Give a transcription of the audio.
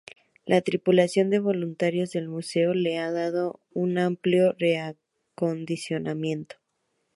La tripulación de voluntarios del museo le ha dado un amplio reacondicionamiento.